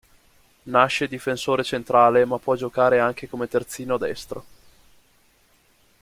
Nasce difensore centrale, ma può giocare anche come terzino destro.